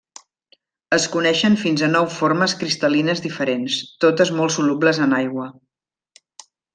Es coneixen fins a nou formes cristal·lines diferents, totes molt solubles en aigua.